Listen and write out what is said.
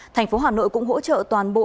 thành phố hà nội cũng hỗ trợ toàn bộ